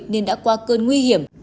nên đã qua cơn nguy hiểm